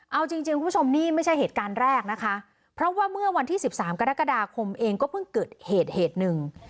เอาจริงคุณผู้ชมนี่ไม่ใช่เหตุการณ์แรกนะคะเพราะว่าเมื่อวันที่๑๓กรกฎาคมเองก็เพิ่งเกิดเหตุเหตุหนึ่ง